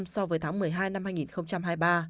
so với tháng một mươi hai năm hai nghìn hai mươi ba